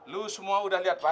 lo semua udah lihat bang